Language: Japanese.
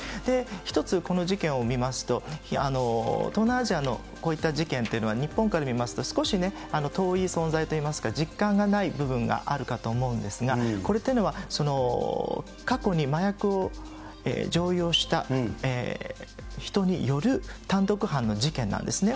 一つ、この事件を見ますと、東南アジアのこういった事件というのは、日本から見ますと、少しね、遠い存在といいますか、実感がない部分があるかと思うんですが、これというのは、過去に麻薬を常用した人による単独犯の事件なんですね。